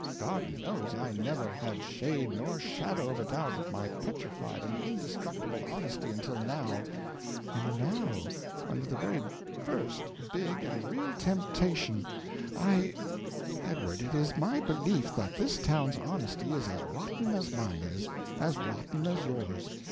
God knows I never had shade nor shadow of a doubt of my petrified and indestructible honesty until now and now, under the very first big and real temptation, I Edward, it is my belief that this town's honesty is as rotten as mine is; as rotten as yours.